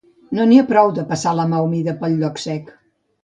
No n'hi ha prou de passar la mà humida pel lloc sec.